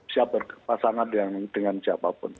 siap berpasangan dengan siapapun